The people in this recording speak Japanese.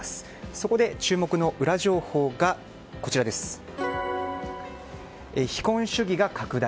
そこで注目のウラ情報が非婚主義が拡大